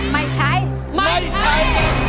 ไม่ใช้ไม่ใช้